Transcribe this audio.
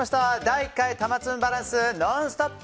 第１回たまつむバランス「ノンストップ！」